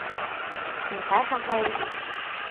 唔使客氣